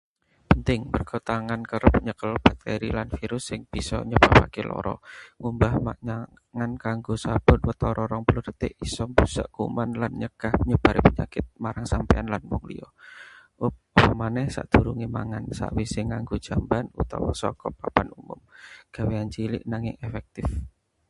Penting, merga tangan kerep nyekel bakteri lan virus sing bisa nyebabake lara. Ngumbah tangan nganggo sabun watara 20 detik isa mbusak kuman lan nyegah nyebare penyakit marang sampeyan lan wong liya. Apamaneh sadurunge mangan, sawisé nganggo jamban, utawa saka papan umum. Gaweyan cilik nanging efektif.